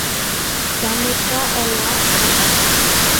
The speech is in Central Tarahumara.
Ká ne ka olá katá.